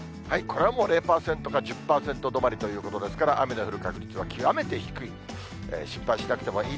これはもう０％か１０％止まりということですから、雨の降る確率は極めて低い。